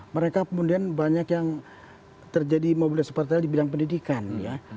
mereka kemudian banyak yang terjadi mobilitas partai di bidang pendidikan ya